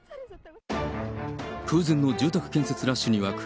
空前の住宅建設ラッシュに沸く